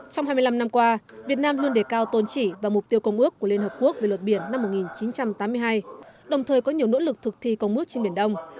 trong hai mươi năm năm qua việt nam luôn đề cao tôn trị và mục tiêu công ước của liên hợp quốc về luật biển năm một nghìn chín trăm tám mươi hai đồng thời có nhiều nỗ lực thực thi công ước trên biển đông